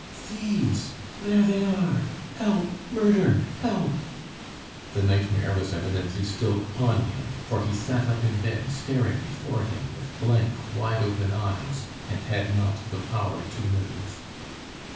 "Thieves!... There they are!... Help! Murder! Help!" The nightmare was evidently still upon him, for he sat up in bed, staring before him with blank, wide open eyes, and had not the power to move.